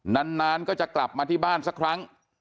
นานก็จะกลับมาที่บ้านสักครั้ง